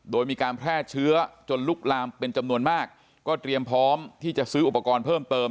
โดยมีการแพร่เชื้อจนลุกลามเป็นจำนวนมากก็เตรียมพร้อมที่จะซื้ออุปกรณ์เพิ่มเติม